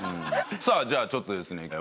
さあじゃあちょっとですね